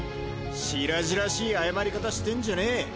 しらじらしい謝り方してんじゃねえ。